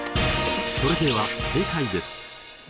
それでは正解です。